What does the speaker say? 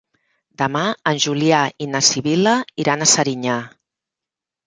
Demà en Julià i na Sibil·la iran a Serinyà.